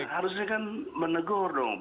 harusnya kan menegur dong